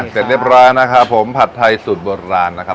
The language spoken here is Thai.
เสร็จเรียบร้อยนะครับผมผัดไทยสูตรโบราณนะครับ